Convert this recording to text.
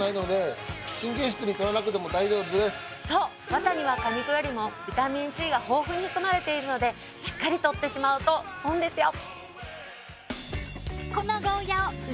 ワタには果肉よりもビタミンＣが豊富に含まれているのでしっかり取ってしまうと損ですよ。